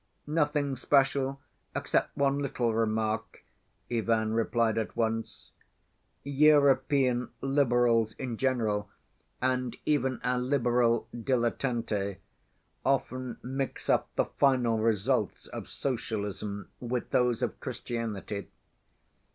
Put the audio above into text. "Nothing special, except one little remark," Ivan replied at once. "European Liberals in general, and even our liberal dilettanti, often mix up the final results of socialism with those of Christianity.